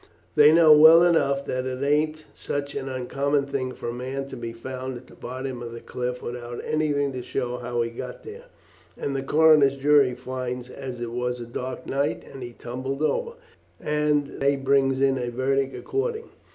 They know well enough that it ain't such an uncommon thing for a man to be found at the bottom of the cliff, without anything to show how he got there, and the coroner's jury finds as it was a dark night and he tumbled over, and they brings in a verdict according.